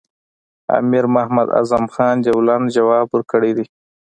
امیر محمد اعظم خان یو لنډ ځواب ورکړی دی.